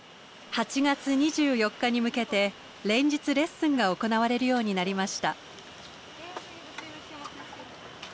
８月２４日に向けて連日レッスンが行われるようになりました。